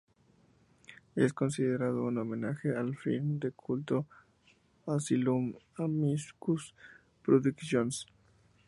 Es considerado un homenaje al film de culto Asylum de Amicus Productions.